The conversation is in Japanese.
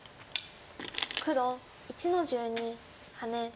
黒１の十二ハネ。